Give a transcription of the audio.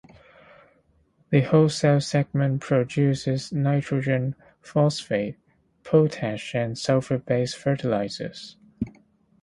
The Wholesale segment produces nitrogen, phosphate, potash and sulphur-based fertilizers.